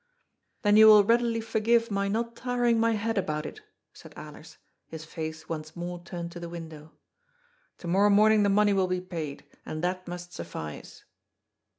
" Then you will readily forgive my not tiring my head about it," said Alers, his face once more turned to the win dow. " To morrow morning the money will be paid, and that must suffice."